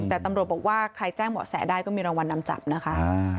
แต่ตำรวจบอกว่าใครแจ้งเหมาะแสได้ก็มีรางวัลนำจับนะคะ